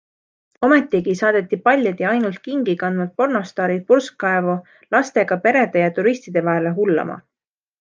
Ometigi saadeti paljad ja ainult kingi kandvad pornostaarid purskaevu lastega perede ja turistide vahele hullama.